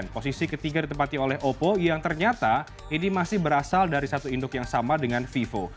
posisi ketiga ditempati oleh oppo yang ternyata ini masih berasal dari satu induk yang sama dengan vivo